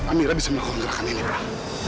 amira bisa melakukan gerakan ini pak